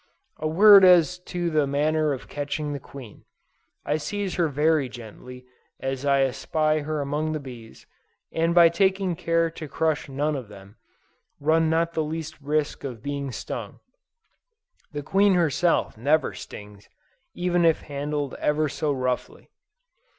A word as to the manner of catching the queen. I seize her very gently, as I espy her among the bees, and by taking care to crush none of them, run not the least risk of being stung. The queen herself never stings, even if handled ever so roughly.